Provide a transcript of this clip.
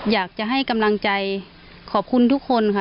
อยากจะให้กำลังใจขอบคุณทุกคนค่ะ